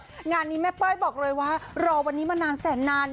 งานนี้แม่เป้ยบอกเลยว่ารอวันนี้มานานแสนนาน